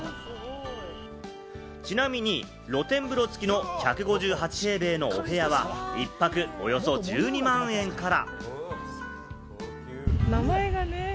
ちなみに露天風呂付きの１５８平米のお部屋は、１泊およそ１２万円から。